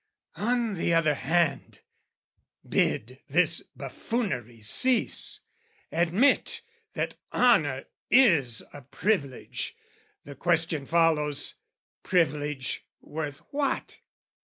On the other hand, bid this buffoonery cease, Admit that honour is a privilege, The question follows, privilege worth what?